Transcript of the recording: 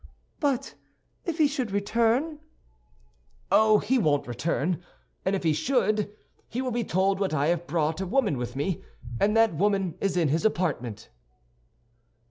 "But if he should return?" "Oh, he won't return; and if he should, he will be told that I have brought a woman with me, and that woman is in his apartment."